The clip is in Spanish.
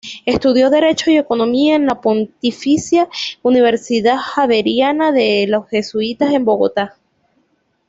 Estudió Derecho y Economía en la Pontificia Universidad Javeriana de los Jesuitas en Bogotá.